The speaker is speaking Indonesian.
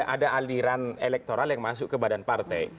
ada aliran elektoral yang masuk ke badan partai